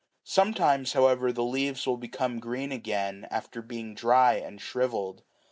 Sometimes, however, the leaves will become green again, after being dry and shrivelled.